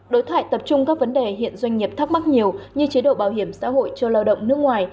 đối thoại tập trung các vấn đề hiện doanh nghiệp thắc mắc nhiều như chế độ bảo hiểm xã hội cho lao động nước ngoài